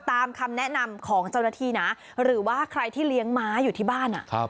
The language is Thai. ตามคำแนะนำของเจ้าหน้าที่นะหรือว่าใครที่เลี้ยงม้าอยู่ที่บ้าน